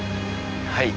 はい。